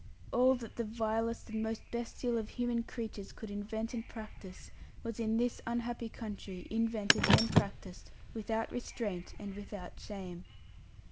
All that the vilest and most bestial of human creatures could invent and practise, was in this unhappy country invented and practised without restraint and without shame.